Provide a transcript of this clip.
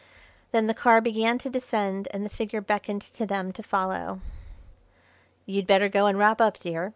Then the car began to descend, and the figure beckoned to them to follow. "You'd better go and wrap up, dear.